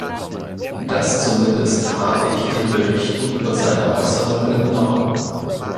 Das zumindest habe ich den Berichten über seine Äußerungen entnommen.